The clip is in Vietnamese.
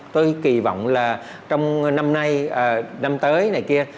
tôi kỳ vọng là trong năm nay năm tới này kia